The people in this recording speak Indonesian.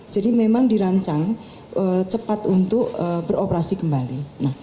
jadi memang dirancang cepat untuk beroperasi kembali